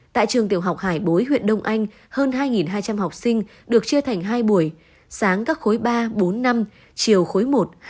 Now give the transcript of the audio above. tại trường tiểu học hải bối huyện đông anh hơn hai hai trăm linh học sinh được chia thành hai buổi sáng các khối ba bốn năm chiều khối một hai